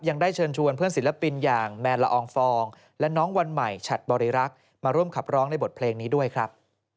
ยังได้เชิญชวนเพื่อนศิลปินอย่างแมนละอองฟองและน้องวันใหม่ฉัดบริรักษ์มาร่วมขับร้องในบทเพลงนี้ด้วยครับ